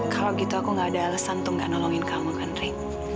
kalau gitu aku gak ada alasan untuk gak nolongin kamu kan rain